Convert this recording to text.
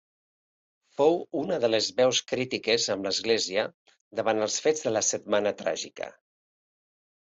Fou una de les veus crítiques amb l'Església davant els fets de la Setmana Tràgica.